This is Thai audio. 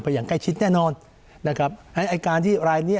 อย่างใกล้ชิดแน่นอนนะครับไอ้การที่รายเนี้ย